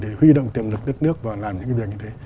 cũng tiềm lực đất nước và làm những việc như thế